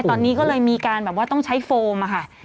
ตอนนี้ก็เลยมีการแบบว่าต้องใช้โฟมค่ะ